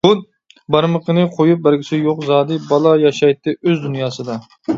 بارمىقىنى قويۇپ بەرگۈسى يوق زادى، بالا ياشايتتى ئۆز دۇنياسىدا.